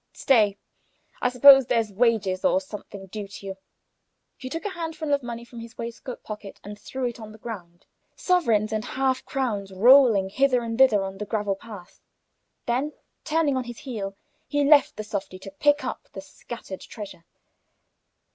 "Stay! I suppose there's wages or something due to you." He took a handful of money from his waistcoat pocket and threw it on the ground, sovereigns and half crowns rolling hither and thither on the gravel path; then, turning on his heel, he left the softy to pick up the scattered treasure.